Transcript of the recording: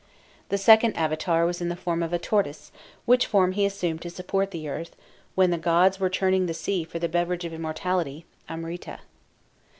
The second Avatar was in the form of a Tortoise, which form he assumed to support the earth when the gods were churning the sea for the beverage of immortality, Amrita.